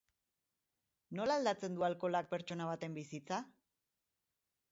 Nola aldatzen du alkoholak pertsona baten bizitza?